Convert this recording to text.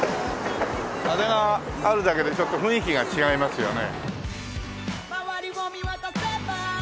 あれがあるだけでちょっと雰囲気が違いますよね。